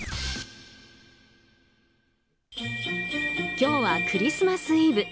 今日はクリスマスイブ。